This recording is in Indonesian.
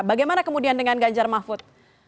bagaimana kemudian dengan ganjar mahfud